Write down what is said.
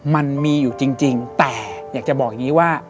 มันมีอยู่จริงแต่อยากจะบอกอย่างนี้ว่า